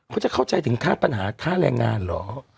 เขาจะเข้าใจถึงค่าปัญหาค่าแรงงานเหรอ